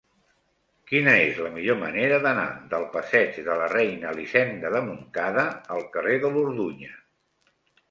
Quina és la millor manera d'anar del passeig de la Reina Elisenda de Montcada al carrer de l'Orduña?